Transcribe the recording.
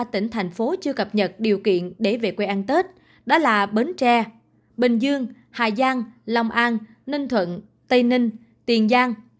ba tỉnh thành phố chưa cập nhật điều kiện để về quê ăn tết đó là bến tre bình dương hà giang long an ninh thuận tây ninh tiền giang